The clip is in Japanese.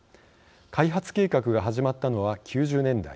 開発計画が始まったのは９０年代。